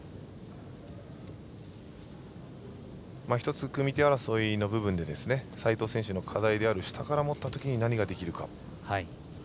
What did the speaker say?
１つ、組み手争いの部分で斉藤選手の課題である下から持ったときに何ができるか。